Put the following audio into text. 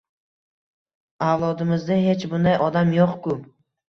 Avlodimizda hech bunday odam yo`q-ku